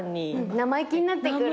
生意気になってくる。